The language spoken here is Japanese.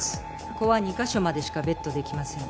子は２カ所までしかベットできません。